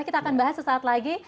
kita akan bahas sesaat lagi